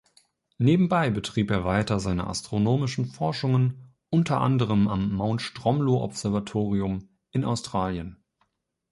Nebenbei betrieb er weiter seine astronomischen Forschungen, unter anderem am Mount-Stromlo-Observatorium in Australien.